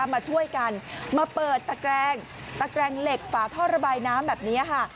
มาช่วยกันมาเปิดตะแกรงตะแกรงเหล็กฝาท่อระบายน้ำแบบนี้ค่ะ